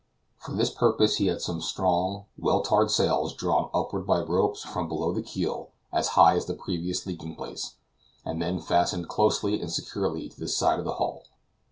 For this purpose he had some strong, well tarred sails drawn upward by ropes from below the keel, as high as the previous leaking place, and then fastened closely and securely to the side of the hull.